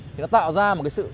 thì nó tạo ra một cái sự